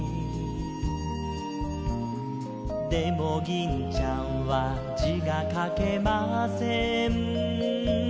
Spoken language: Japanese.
「でも銀ちゃんは字が書けません」